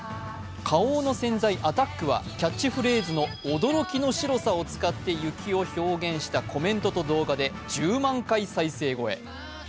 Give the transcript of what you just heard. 花王の洗剤アタックは、キャッチフレーズの驚きの白さを使って雪を表現したコメントと動画で１０万回再生超え。